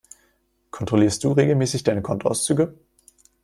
Kontrollierst du regelmäßig deine Kontoauszüge?